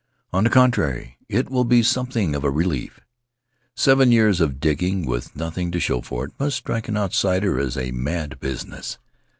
On the contrary, it will be something of a relief. Seven years of digging, with nothing to show for it, must strike an outsider as a mad business.